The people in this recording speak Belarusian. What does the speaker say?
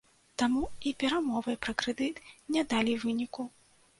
Таму і перамовы пра крэдыт не далі выніку.